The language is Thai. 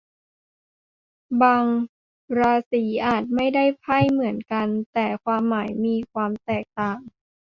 บางราศีอาจได้ไพ่เหมือนกัน แต่ความหมายมีความแตกต่าง